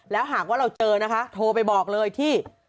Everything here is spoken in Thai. แล้วหากว่าเราเจอนะคะโทรไปบอกเลยที่